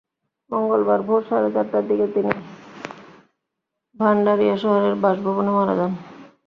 মঙ্গলবার ভোর সাড়ে চারটার দিকে তিনি ভান্ডারিয়া শহরের বাসভবনে মারা যান।